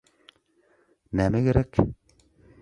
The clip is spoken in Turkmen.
Näme gerek?